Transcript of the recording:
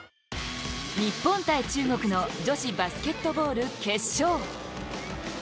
日本×中国の女子バスケットボール決勝。